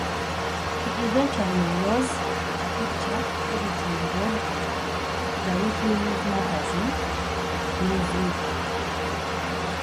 He eventually rose to a picture editing job at the weekly news magazine "Newsweek".